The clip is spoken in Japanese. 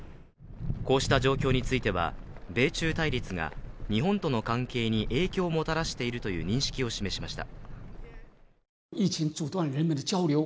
こうした状況については、米中対立が日本との関係に影響をもたらしているという認識を示しました。